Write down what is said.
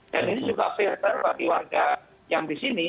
dan ini juga filter bagi warga yang di sini